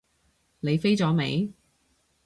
你飛咗未？